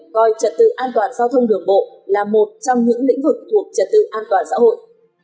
coi trật tự an toàn giao thông đường bộ là một trong những lĩnh vực thuộc trật tự an toàn xã hội